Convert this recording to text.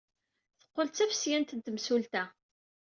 Teqqel d tafesyant n temsulta.